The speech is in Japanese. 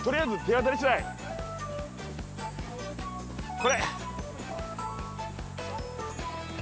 これ。